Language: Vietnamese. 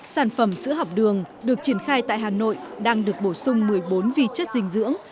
sản phẩm sữa học đường được triển khai tại hà nội đang được bổ sung một mươi bốn vi chất dinh dưỡng